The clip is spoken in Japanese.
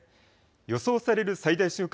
予想される最大瞬間